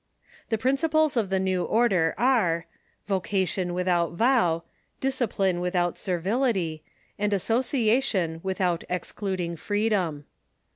The principles of the new order are : Vocation without vow, discipline without servility, and as sociation without excluding freedom.